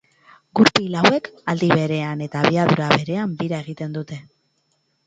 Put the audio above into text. Gurpil hauek, aldi berean eta abiadura berean bira egiten dute.